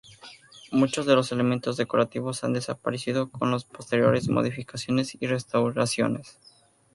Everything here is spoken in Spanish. Muchos de los elementos decorativos han desaparecido con las posteriores modificaciones y restauraciones.